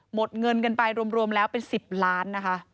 หมดเงินกันไปรวมแล้วเป็น๑๐ล้านนะคะ